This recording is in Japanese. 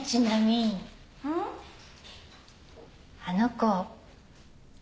あの子。